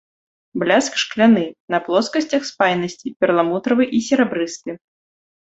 Бляск шкляны, на плоскасцях спайнасці перламутравы і серабрысты.